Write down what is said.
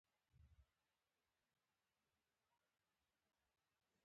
ایمان هغه ذهني حالت دی چې په تلقین جوړېږي